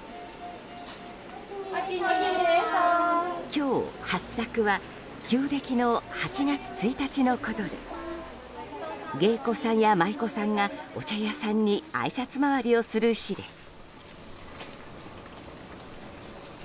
今日、八朔は旧暦の８月１日のことで芸妓さんや舞妓さんがお茶屋さんにあいさつ回りをする日です。